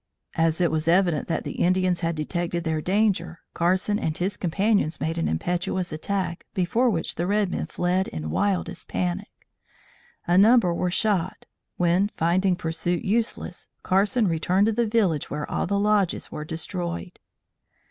As it was evident that the Indians had detected their danger, Carson and his companions made an impetuous attack before which the red men fled in wildest panic. A number were shot, when, finding pursuit useless, Carson returned to the village where all the lodges were destroyed.